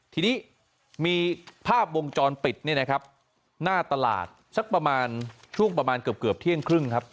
ทีนี้มีภาพวงจรปิดหน้าตลาดช่วงประมาณเกือบเกือบเที่ยงครึ่ง